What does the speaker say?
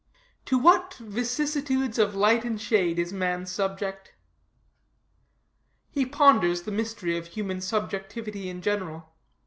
To what vicissitudes of light and shade is man subject! He ponders the mystery of human subjectivity in general.